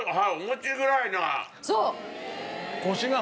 そう！